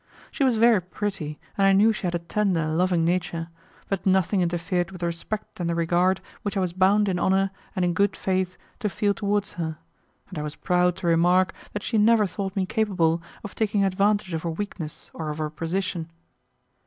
She was very pretty, and I knew she had a tender, loving nature; but nothing interfered with the respect and the regard which I was bound in honour and in good faith to feel towards her, and I was proud to remark that she never thought me capable of taking advantage of her weakness or of her position.